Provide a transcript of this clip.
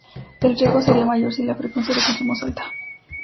El riesgo sería mayor si la frecuencia de consumo es alta.